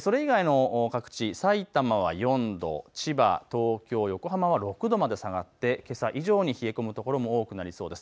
それ以外の各地、さいたまは４度、千葉、東京、横浜は６度まで下がって、けさ以上に冷え込む所も多くなりそうです。